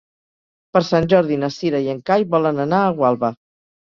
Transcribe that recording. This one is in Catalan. Per Sant Jordi na Cira i en Cai volen anar a Gualba.